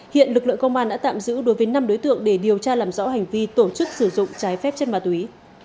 hiện lực lượng công an đã tạm giữ đối với năm đối tượng để điều tra làm rõ hành vi tổ chức sử dụng trái phép chất ma túy